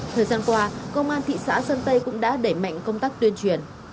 thời gian qua công an thị xã sơn tây cũng đã đẩy mạnh công tác tuyên truyền